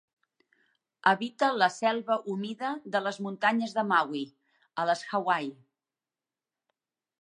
Habita la selva humida de les muntanyes de Maui, a les Hawaii.